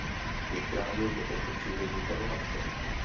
Je chráněn jako přírodní památka.